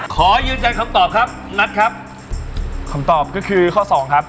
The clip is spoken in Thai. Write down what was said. ขอยืนจัดคำตอบครับนัทครับ